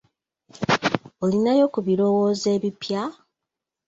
Olinayo ku birowoozo ebipya?